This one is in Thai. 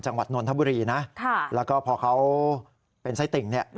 จังหวัดนนทบุรีนะแล้วก็พอเขาเป็นไส้ติ่งเนี่ย